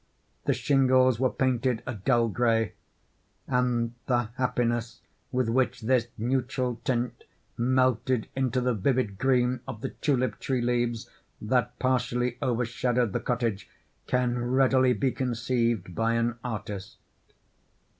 The shingles were painted a dull gray; and the happiness with which this neutral tint melted into the vivid green of the tulip tree leaves that partially overshadowed the cottage, can readily be conceived by an artist.